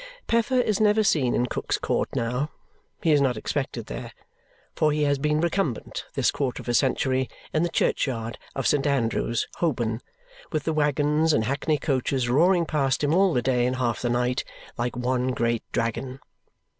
Peffer is never seen in Cook's Court now. He is not expected there, for he has been recumbent this quarter of a century in the churchyard of St. Andrews, Holborn, with the waggons and hackney coaches roaring past him all the day and half the night like one great dragon.